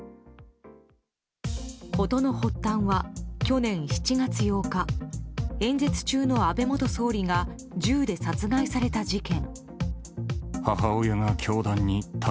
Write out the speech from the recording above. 事の発端は去年７月８日演説中の安倍元総理が銃で殺害された事件。